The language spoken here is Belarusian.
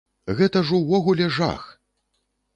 Гэта ж ўвогуле жах!